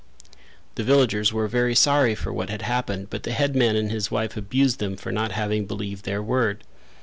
The villagers were very sorry for what had happened but the headman and his wife abused them for not having believed their word.